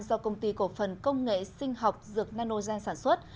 do công ty cổ phần công nghệ sinh học dược nanogen sản xuất